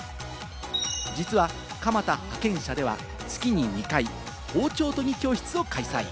実は、かまた刃研社では月に２回、包丁研ぎ教室を開催。